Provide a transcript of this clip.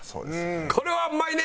これはうまいね！